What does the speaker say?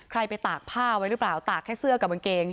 ไปตากผ้าไว้หรือเปล่าตากแค่เสื้อกับกางเกง